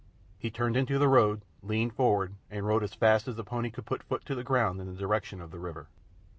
He turned into the road, leaned forward, and rode as fast as the pony could put foot to the ground in the direction of the river.